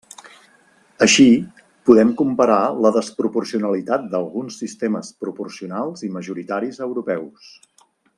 Així, podem comparar la desproporcionalitat d'alguns sistemes proporcionals i majoritaris europeus.